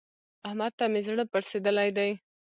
احمد ته مې زړه پړسېدلی دی.